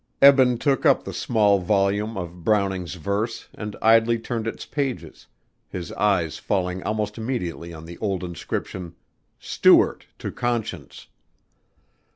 Eben took up the small volume of Browning's verse and idly turned its pages, his eyes falling almost immediately on the old inscription, "Stuart to Conscience."